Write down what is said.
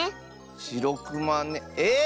しろくまねえっ